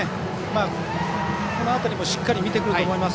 この辺りもしっかり見てくると思います。